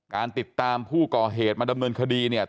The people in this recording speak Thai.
การติดตามผู้ก่อเหตุมาดำเนินคดีเนี่ย